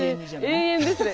永遠ですね。